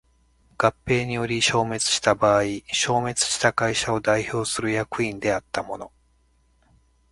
合併により消滅した場合消滅した会社を代表する役員であった者